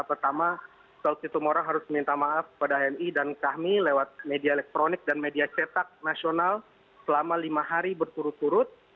pertama saud situmorang harus minta maaf pada hmi dan kami lewat media elektronik dan media cetak nasional selama lima hari berturut turut